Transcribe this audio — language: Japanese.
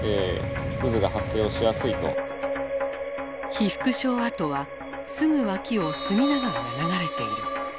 被服廠跡はすぐ脇を隅田川が流れている。